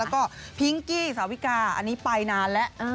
แล้วก็พิงกี้สาวิกาอันนี้ไปนานแล้ว